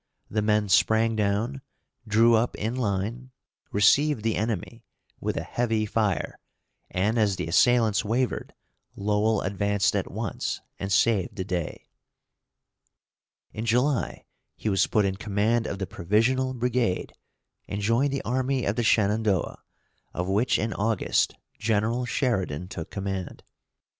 The men sprang down, drew up in line, received the enemy, with a heavy fire, and as the assailants wavered, Lowell advanced at once, and saved the day. In July, he was put in command of the "Provisional Brigade," and joined the army of the Shenandoah, of which in August General Sheridan took command.